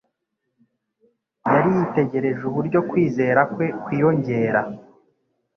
Yari yitegereje uburyo kwizera kwe kwiyongera,